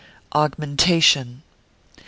Augmentation.